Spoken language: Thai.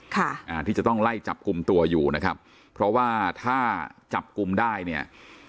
ค่ะอ่าที่จะต้องไล่จับกลุ่มตัวอยู่นะครับเพราะว่าถ้าจับกลุ่มได้เนี่ย